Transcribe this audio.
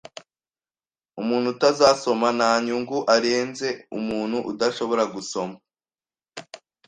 Umuntu utazasoma nta nyungu arenze umuntu udashobora gusoma